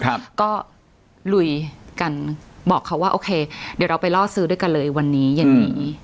ครับก็ลุยกันบอกเขาว่าโอเคเดี๋ยวเราไปล่อซื้อด้วยกันเลยวันนี้เย็นนี้